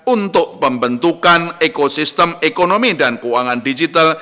untuk pembentukan ekosistem ekonomi dan keuangan digital